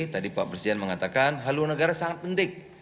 tadi pak presiden mengatakan haluan negara sangat penting